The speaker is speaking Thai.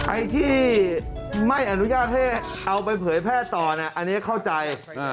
ไอ้ที่ไม่อนุญาตให้เอาไปเผยแพร่ต่อเนี่ยอันนี้เข้าใจ